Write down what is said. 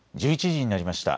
１１時になりました。